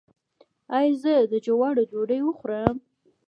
ایا زه د جوارو ډوډۍ وخورم؟